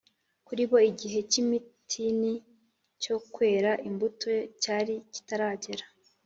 kuri bo igihe cy’imitini cyo kwera imbuto cyari kitaragera